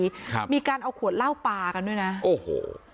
ครับมีการเอาขวดเหล้าปลากันด้วยนะโอ้โห